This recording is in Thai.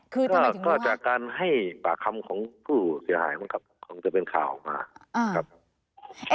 คือก็จากการให้ปากคำของผู้เสียหายมันก็คงจะเป็นข่าวออกมาครับ